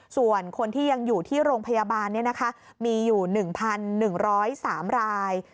ส่วนคนที่ยังอยู่ที่โรงพยาบาลมีอยู่๑๑๐๓ราย